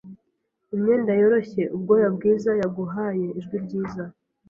Imyenda yoroshye ubwoya bwizaYaguhaye ijwi ryiza